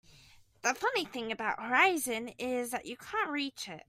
The funny thing about the horizon is that you can't reach it.